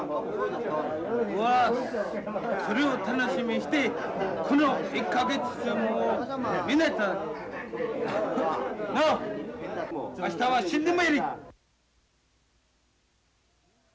俺はそれを楽しみにしてこの１か月もう。なあ！明日は死んでもやれ。